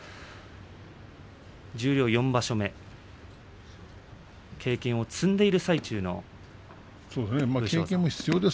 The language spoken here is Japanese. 十両４場所目経験を積んでいる最中の力士です。